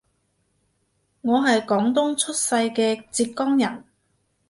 我係廣東出世嘅浙江人